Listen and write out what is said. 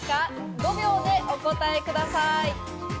５秒でお答えください。